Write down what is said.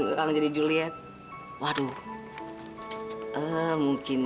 sherika bawa razli bangkit